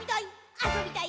あそびたい！